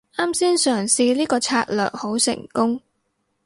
啱先嘗試呢個策略好成功